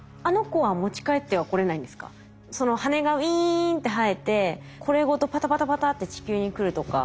羽がウイーンって生えてこれごとパタパタパタって地球に来るとか。